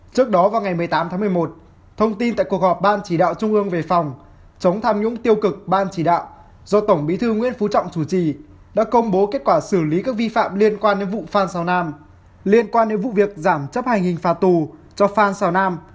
trước đó vào ngày một mươi tám tháng một mươi một thông tin tại cuộc họp ban chỉ đạo trung ương về phòng chống tham nhũng tiêu cực ban chỉ đạo do tổng bí thư nguyễn phú trọng chủ trì đã công bố kết quả xử lý các vi phạm liên quan đến vụ phan xào nam liên quan đến vụ việc giảm chấp hành hình pha tù cho phan xào nam